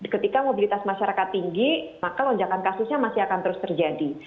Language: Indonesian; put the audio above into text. ketika mobilitas masyarakat tinggi maka lonjakan kasusnya masih akan terus terjadi